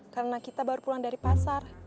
karena kita baru pulang dari pasar